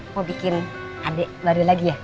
mau bikin adik baru lagi ya